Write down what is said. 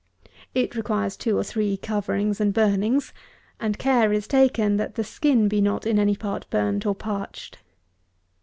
It requires two or three coverings and burnings, and care is taken, that the skin be not in any part burnt, or parched.